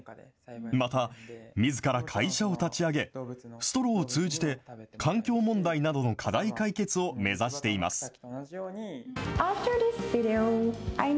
また、みずから会社を立ち上げ、ストローを通じて環境問題などの課題解決を目指しています。